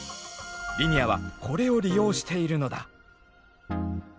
リニアはこれを利用しているのだ。